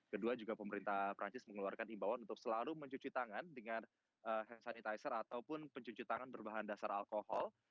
kedua juga pemerintah perancis mengeluarkan imbauan untuk selalu mencuci tangan dengan hand sanitizer ataupun pencuci tangan berbahan dasar alkohol